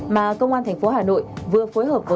mà công an thành phố hà nội vừa phối hợp